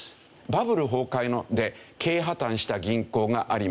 バブル崩壊で経営破たんした銀行があります。